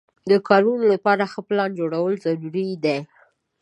د کارونو لپاره ښه پلان جوړول ضروري دي.